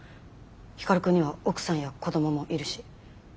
光くんには奥さんや子どももいるし。